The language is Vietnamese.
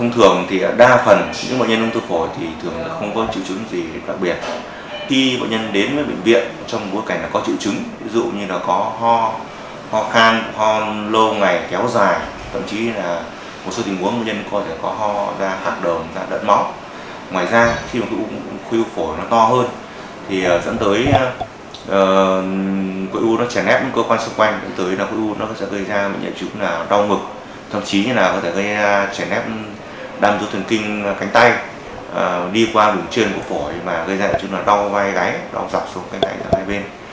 từ khi khói u khói u phổi to hơn dẫn tới trẻ nép cơ quan xung quanh gây ra nhiễm chí đau ngực thậm chí gây ra trẻ nép đâm vô thường kinh cánh tay đi qua đường trên của phổi gây ra đau vai gái đau dọc xuống cây này đau bên